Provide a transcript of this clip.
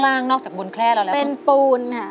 ทั้งในเรื่องของการทำงานเคยทำนานแล้วเกิดปัญหาน้อย